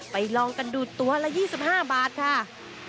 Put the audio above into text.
ลองกันดูตัวละ๒๕บาทค่ะ